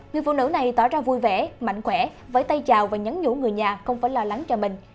người phụ nữ này tỏ ra vui vẻ mạnh khỏe với tay chào và nhắn nhủ người nhà không phải lo lắng cho mình